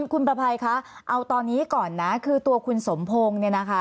คุณประภัยคะเอาตอนนี้ก่อนนะคือตัวคุณสมพงศ์เนี่ยนะคะ